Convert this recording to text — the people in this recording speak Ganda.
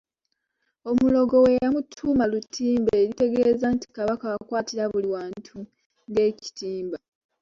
Omulongo we yamutuuma Lutimba eritegeeza nti Kabaka akwatira buli wantu ng'ekitimba.